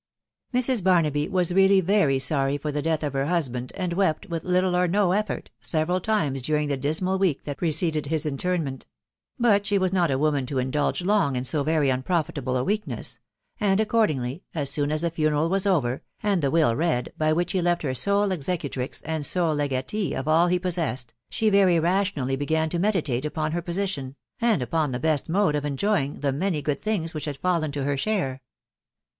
Mrs. Barnaby was really very sorry for llv* faa&t. dt V«t husband, and wept, with little or no eft^ttj^Nw^^xc^^^M^^ the dismal week that preceded his Vntenneta \ \wl\^m^»,m^ f)6 THE WIDOW BABNABY. a woman to indulge long in so very unprofitable a weakness > and accordingly, as soon as the funeral was over, and the will read, by which he left her sole executrix and sole legatee of all he possessed, she very rationally began to meditate upon her position, and upon the best mode of enjoying the many good things which had fallen to her share.